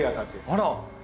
あら！